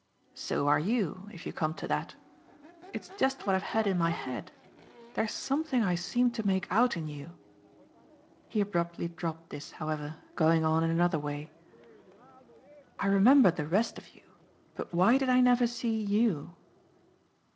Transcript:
"So are you, if you come to that. It's just what I've had in my head. There's something I seem to make out in you !" He abruptly dropped this, however, going on in another way. "I remember the rest of you, but why did I never see YOU?"